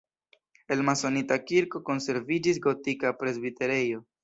El masonita kirko konserviĝis gotika presbiterejo.